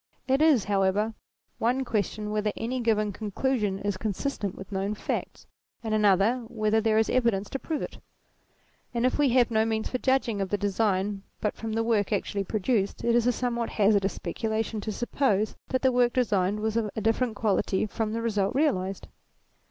It is, however, one question whether any given conclusion is consistent with known facts, and another whether there is evidence to prove it : and if we have no means for judging of the design but from the work actually produced, it is a somewhat hazardous specu lation to suppose that the work designed was of a different quality from the result realized.